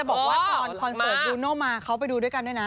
บอกว่าตอนคอนเสิร์ตฟูโน่มาเขาไปดูด้วยกันด้วยนะ